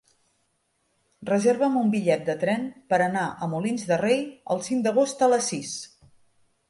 Reserva'm un bitllet de tren per anar a Molins de Rei el cinc d'agost a les sis.